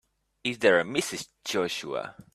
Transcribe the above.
Is there a Mrs. Joshua?